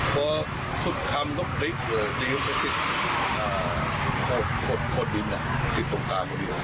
เพราะทุกคำต้องพลิกเดี๋ยวไปติดโคตรดินติดตรงกลางหมดเลย